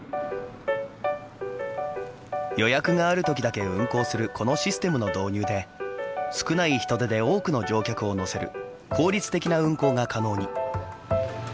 予約があるときだけ運行するこのシステムの導入で少ない人手で多くの乗客を乗せる効率的な運行が可能に。